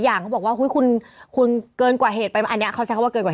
อย่างนี้ก็คือเรื่องจริง